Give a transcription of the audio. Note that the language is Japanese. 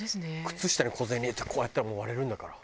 靴下に小銭入れてこうやったらもう割れるんだから。